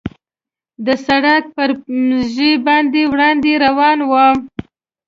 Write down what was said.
د سړک پر ژۍ باندې وړاندې روان ووم.